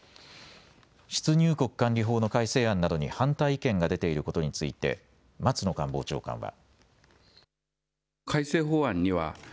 出入国管理法の改正案などに反対意見が出ていることについて松野官房長官は。